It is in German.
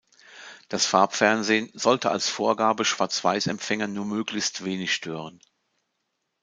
Das Farbfernsehen sollte als Vorgabe Schwarzweiß-Empfänger nur möglichst wenig stören.